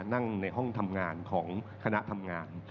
นั่งในห้องทำงานของคณะทำงาน